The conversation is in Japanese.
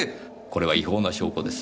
これは違法な証拠です。